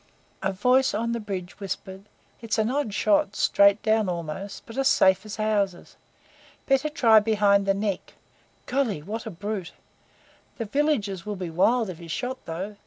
A voice on the bridge whispered: "It's an odd shot straight down almost but as safe as houses. Better try behind the neck. Golly! what a brute! The villagers will be wild if he's shot, though.